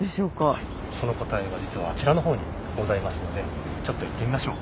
はいその答えは実はあちらの方にございますのでちょっと行ってみましょう。